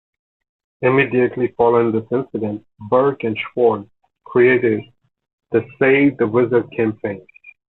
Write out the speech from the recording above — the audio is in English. Immediately following this incident, Berk and Schwartz created the Save The Wizard Campaign.